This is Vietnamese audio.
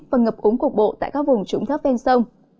và ngập úng cục bộ tại các vùng trúng thấp bên sông